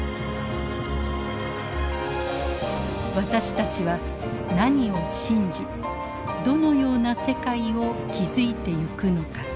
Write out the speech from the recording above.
私たちは何を信じどのような世界を築いていくのか。